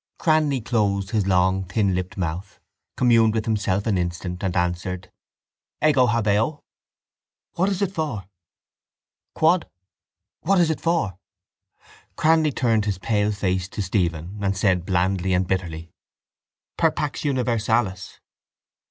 Cranly closed his long thinlipped mouth, communed with himself an instant and answered: —Ego habeo. —What is it for? —Quod? —What is it for? Cranly turned his pale face to Stephen and said blandly and bitterly: —_Per pax universalis.